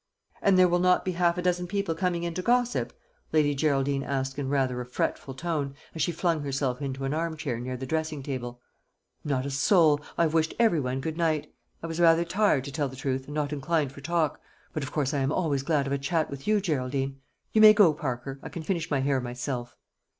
"And there will not be half a dozen people coming in to gossip?" Lady Geraldine asked in rather a fretful tone, as she flung herself into an arm chair near the dressing table. "Not a soul; I have wished every one good night. I was rather tired, to tell the truth, and not inclined for talk. But of course I am always glad of a chat with you, Geraldine. You may go, Parker; I can finish my hair myself."